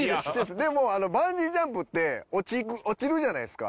でもバンジージャンプって落ちるじゃないですか。